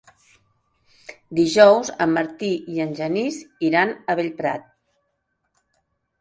Dijous en Martí i en Genís iran a Bellprat.